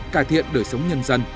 cải thiện đời sống nhân dân